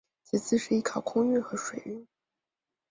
其次是依靠空运和水运。